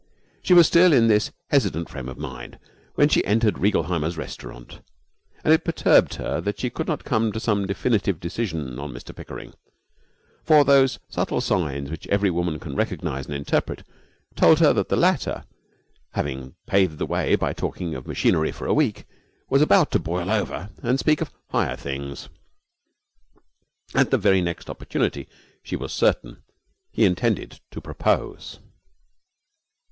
She was still in this hesitant frame of mind when she entered Reigelheimer's Restaurant, and it perturbed her that she could not come to some definite decision on Mr Pickering, for those subtle signs which every woman can recognize and interpret told her that the latter, having paved the way by talking machinery for a week, was about to boil over and speak of higher things. At the very next opportunity, she was certain, he intended to propose.